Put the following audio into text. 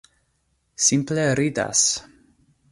Simple ridas!